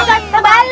nggak ada salah